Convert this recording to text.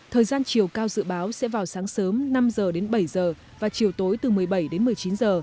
thời gian chiều cao dự báo sẽ vào sáng sớm năm h bảy h và chiều tối từ một mươi bảy h một mươi chín h